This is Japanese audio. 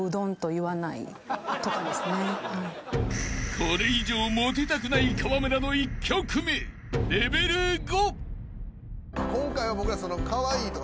［これ以上モテたくない河邑の１曲目レベル５］